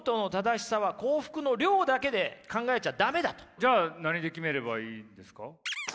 じゃあ何で決めればいいんですか？